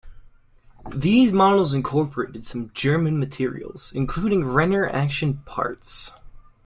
These models incorporated some German materials including Renner action parts.